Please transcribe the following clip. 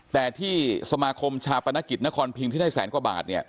แต่ที่สมาคมชาปนกิจนครพิงที่ได้แสนกว่าบาทเนี่ย